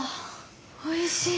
おいしい。